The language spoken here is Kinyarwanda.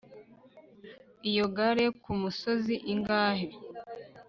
iyo gare yo kumusozi ingahe